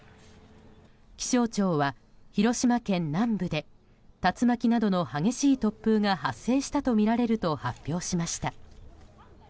気象庁は広島県南部で竜巻などの激しい突風が発生したとみられると発表しました。